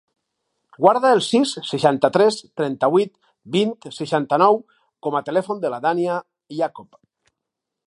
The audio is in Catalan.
Guarda el sis, seixanta-tres, trenta-vuit, vint, seixanta-nou com a telèfon de la Dània Iacob.